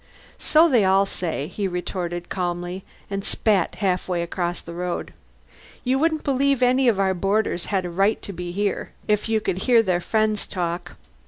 "So they all say," he retorted, calmly, and spat halfway across the road. "You wouldn't believe any of our boarders had a right to be here if you could hear their friends talk."